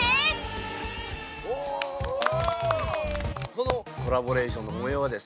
このコラボレーションのもようはですね